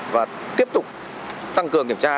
và tiếp tục tăng cường kiểm tra